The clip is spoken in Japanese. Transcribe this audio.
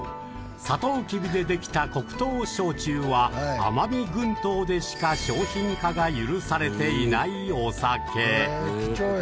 サトウキビでできた黒糖焼酎は奄美群島でしか商品化が許されていないお酒。